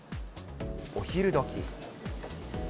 お昼どき。